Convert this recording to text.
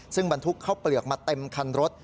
ซึ่งบรรทุกข้าวเปลือกมาเต็มคันรถ